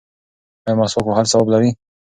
ایا مسواک وهل ثواب لري؟